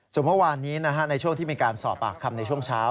ส่วนเมื่อวานนี้ในช่วงที่มีการสอบปากคำในช่วงเช้า